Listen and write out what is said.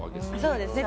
そうですね。